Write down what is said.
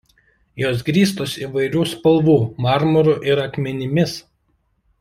Jos grįstos įvairių spalvų marmuru ir akmenimis.